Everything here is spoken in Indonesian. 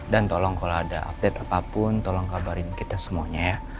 dan tolong kalau ada update apapun tolong kabarin kita semuanya ya